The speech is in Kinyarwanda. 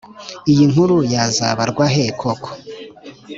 iyi nkuru yazabarwahe koko?"